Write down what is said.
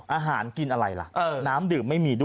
อาหารกินอะไรล่ะน้ำดื่มไม่มีด้วย